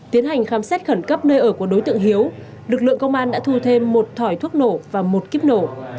tiến hành khám xét khẩn cấp nơi ở của đối tượng hiếu lực lượng công an đã thu thêm một thỏi thuốc nổ và một kíp nổ